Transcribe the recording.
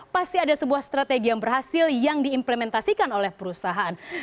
pasti ada sebuah strategi yang berhasil yang diimplementasikan oleh perusahaan